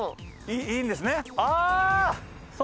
いいんですね？